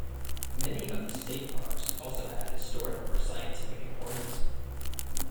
Many of the state parks also have historic or scientific importance.